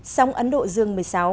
sóng ấn độ dương một mươi sáu